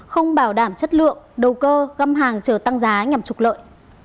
không bảo đảm chất lượng đầu cơ găm hàng chờ tăng giá nhằm trục lợi